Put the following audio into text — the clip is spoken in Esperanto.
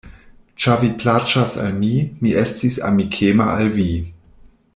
Ĉar vi plaĉas al mi; mi estis amikema al vi.